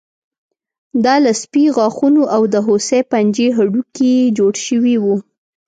دا له سپي غاښونو او د هوسۍ پنجې هډوکي جوړ شوي وو